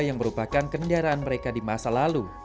yang merupakan kendaraan mereka di masa lalu